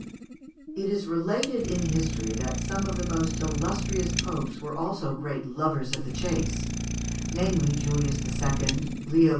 ] It is related in history that some of the most illustrious popes were also great lovers of the chase, namely, Julius II, Leo X.